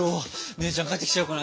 姉ちゃん帰ってきちゃうかな。